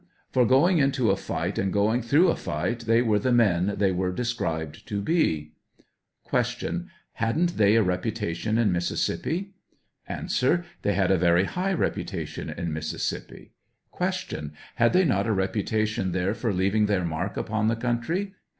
For going into a fight and going through a fight, they were the men they are described to be. Q. Hadn't they a reputation in Mississippi? A. They had a very high reputation in Mississippi. Q. Had they not a reputation there for leaving their mark upon the country